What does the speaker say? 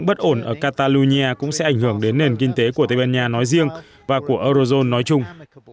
bất ổn ở catalonia cũng sẽ ảnh hưởng đến nền kinh tế của tây ban nha nói riêng và của eurozone nói chung